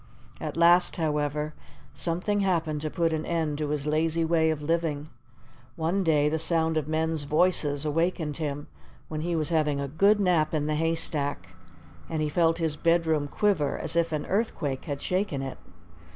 At last, however, something happened to put an end to his lazy way of living. One day the sound of men's voices awakened him, when he was having a good nap in the haystack. And he felt his bedroom quiver as if an earthquake had shaken it.